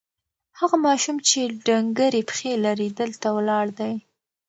هغه ماشوم چې ډنګرې پښې لري، دلته ولاړ دی.